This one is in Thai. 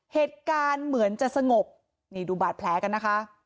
เหตุการณ์เหมือนจะสงบนี่ดูบาดแผลกันนะคะ